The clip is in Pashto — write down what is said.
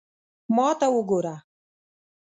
ما ته وګوره